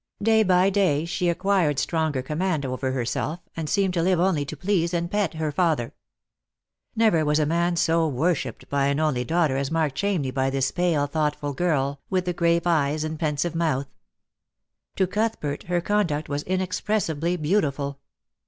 Day by day she acquired stronger command over herself, and seemed to live only to please and pet her father. Never was a man so worshipped by an only daughter as Mark Chamney by this pale thoughtful girl, with the grave eyes and pensive mouth. To Outhbert her conduct was inexpressibly beautiful.